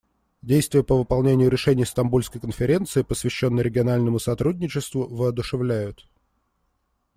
Действия по выполнению решений Стамбульской конференции, посвященной региональному сотрудничеству, воодушевляют.